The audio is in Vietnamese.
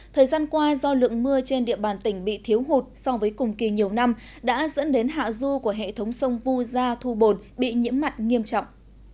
thời gian qua do lượng mưa trên địa bàn tỉnh bị thiếu hụt so với cùng kỳ nhiều năm đã dẫn đến hạ du của hệ thống sông vu gia thu bồn bị nhiễm mặn nghiêm trọng